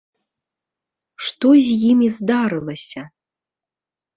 Што з імі здарылася?